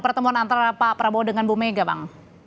pertemuan antara pak prabowo dengan bu mega bang